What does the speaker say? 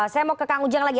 saya mau ke kang ujang lagi